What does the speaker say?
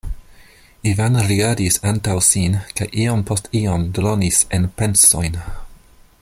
Ivan rigardis antaŭ sin kaj iom post iom dronis en pensojn.